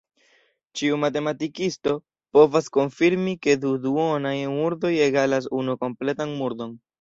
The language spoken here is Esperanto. Ĉiu matematikisto povas konfirmi ke du duonaj murdoj egalas unu kompletan murdon.